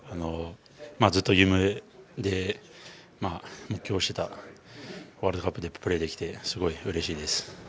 ずっと夢で、目標にしてたワールドカップでプレーできてすごいうれしいです。